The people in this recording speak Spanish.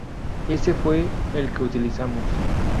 Ése fue el que utilizamos.